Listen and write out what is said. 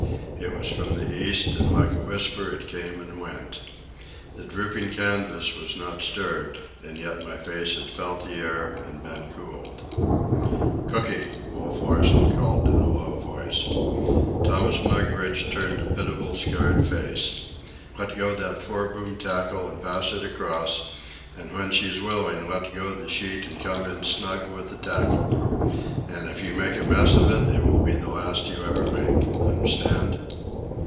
It was from the east, and like a whisper it came and went. The drooping canvas was not stirred, and yet my face had felt the air and been cooled. "Cooky," Wolf Larsen called in a low voice. Thomas Mugridge turned a pitiable scared face. "Let go that foreboom tackle and pass it across, and when she's willing let go the sheet and come in snug with the tackle. And if you make a mess of it, it will be the last you ever make. Understand?"